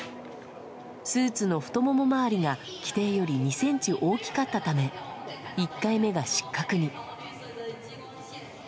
スーツの太もも回りが規定より２センチ大きかったため、１回目が失格に。